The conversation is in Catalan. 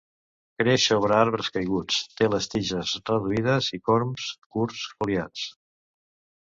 Creix sobre arbres caiguts; té les tiges reduïdes a corms curts, foliats.